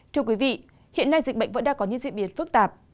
thưa quý vị hiện nay dịch bệnh vẫn đang có những diễn biến phức tạp